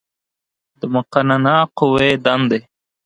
د مقننه قوې دندې